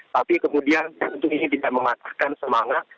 tapi kemudian tentu ini tidak mematahkan semangat